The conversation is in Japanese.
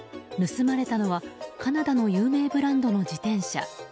盗まれたのはカナダの有名ブランドの自転車。